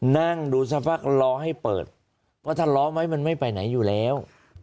นั่งดูสักพักรอให้เปิดว่าถ้าล้อไหมมันไม่ไปไหนอยู่แล้ว